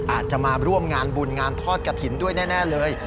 อาจจะมาร่วมงานบุญงานทอดกระถิ่นด้วยแน่เลย